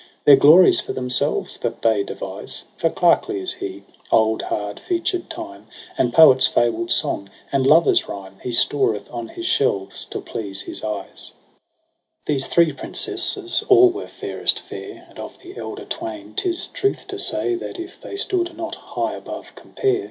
Their glories for themselves that they devise • For clerkly is he, old hard featured Time, And poets' fabl'd song, and lovers' rhyme He storeth on his shelves to please his eyes. 76 EROS ^ PSYCHE 3 These three princesses all were fairest fair ^ And of the elder twain 'tis truth to say That if they stood not high above compare.